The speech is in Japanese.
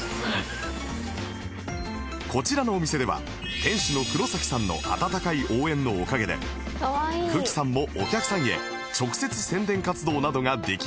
こちらのお店では店主のクロサキさんの温かい応援のおかげで久喜さんもお客さんへ直接宣伝活動などができるのだが